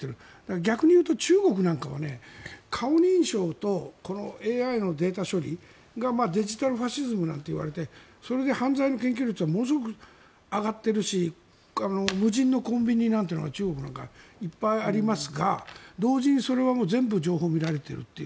逆に言うと中国なんかは顔認証とＡＩのデータ処理がデジタルファシズムなんていわれてそれで犯罪の検挙率はものすごく上がってるし無人のコンビニなんていうのが中国なんかはいっぱいありますが同時にそれは全部情報が見られているという。